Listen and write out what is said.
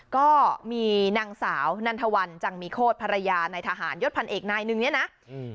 ก็มีนางสาวนันทวันจังมีโคตรภรรยานายทหารยศพันเอกนายหนึ่งเนี่ยนะอืม